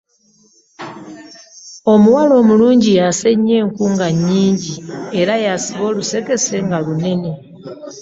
Omuwala omulungi yasennya enku nga nnyingi era yasiba olusekese nga lunene.